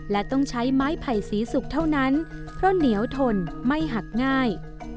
และต้องใช้ไม้ไผ่สีสุกเท่านั้นเพราะเหนียวทนไม่หักง่าย